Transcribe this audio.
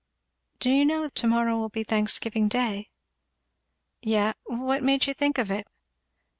"Do you know to morrow will be Thanksgiving day?" "Ye what made you think of it?"